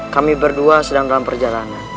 kami berdua sedang dalam perjalanan